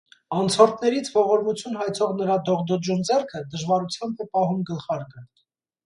Անցորդներից ողորմություն հայցող նրա դողդոջուն ձեռքը դժվարությամբ է պահում գլխարկը։